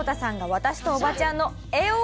私とおばちゃん！